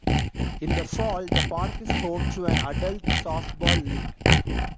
In the fall the park is home to an adult softball league.